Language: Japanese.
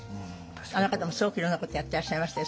あの方もすごくいろんなことをやってらっしゃいましたよ